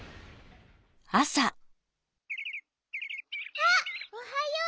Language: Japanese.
あっおはよう。